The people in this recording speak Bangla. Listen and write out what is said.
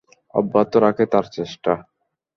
অব্যাহত রাখে তার চেষ্টা।